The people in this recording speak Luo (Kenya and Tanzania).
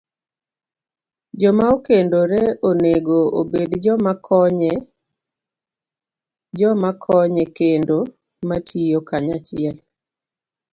Joma okendore onego obed joma konye kendo ma tiyo kanyachiel